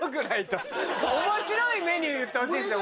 面白いメニュー言ってほしいんですよ